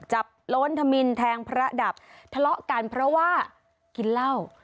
โล้นธมินแทงพระดับทะเลาะกันเพราะว่ากินเหล้า